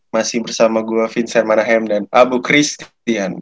masih bersama gue vincent manahem dan abu chris christian